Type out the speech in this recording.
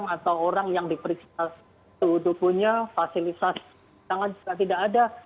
atau orang yang diperiksa suhu tubuhnya fasilitas tangan juga tidak ada